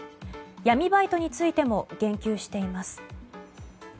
闇バイトについても言及しています。